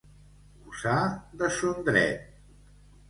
Usar de son dret.